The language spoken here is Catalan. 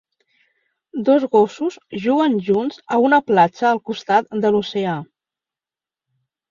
Dos gossos juguen junts a una platja al costat de l'oceà.